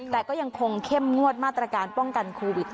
แต่ก็ยังคงเข้มงวดมาตรการป้องกันโควิด